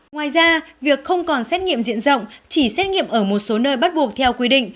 ngoài ra việc không còn xét nghiệm diện rộng chỉ xét nghiệm ở một số nơi bắt buộc theo quy định